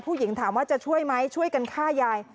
ผู้หญิงถามว่าจะช่วยไหมช่วยกันฆ่ายาย